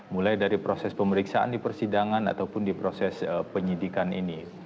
mulai dari proses pemeriksaan di persidangan ataupun di proses penyidikan ini